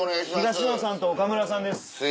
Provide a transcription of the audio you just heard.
東野さんと岡村さんです。